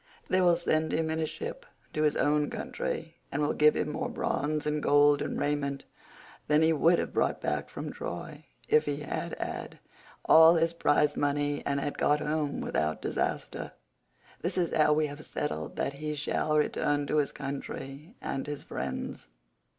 They will send him in a ship to his own country, and will give him more bronze and gold and raiment than he would have brought back from Troy, if he had had all his prize money and had got home without disaster. This is how we have settled that he shall return to his country and his friends."